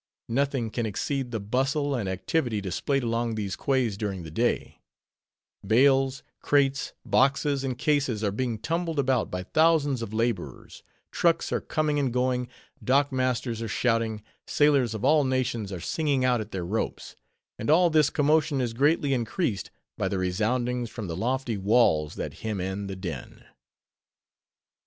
Nothing can exceed the bustle and activity displayed along these quays during the day; bales, crates, boxes, and cases are being tumbled about by thousands of laborers; trucks are coming and going; dock masters are shouting; sailors of all nations are singing out at their ropes; and all this commotion is greatly increased by the resoundings from the lofty walls that hem in the din.